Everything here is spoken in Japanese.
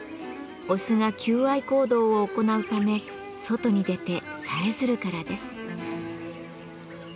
オスが求愛行動を行うため外に出てさえずるからです。